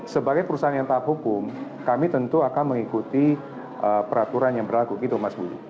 sebagai perusahaan yang taat hukum kami tentu akan mengikuti peraturan yang berlaku gitu mas budi